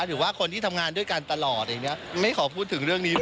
ถือว่าคนที่ทำงานด้วยกันตลอดอย่างนี้